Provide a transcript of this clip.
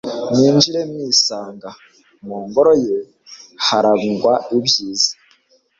mwinjira mwisanga, mu ngoro ye harangwa ibyiza